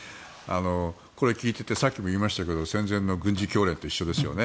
これ聞いていてさっきも言いましたけど戦前の軍事教練と同じですよね。